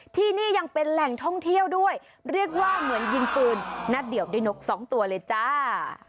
ที่นี่ยังเป็นแหล่งท่องเที่ยวด้วยเรียกว่าเหมือนยิงปืนนัดเดียวด้วยนกสองตัวเลยจ้า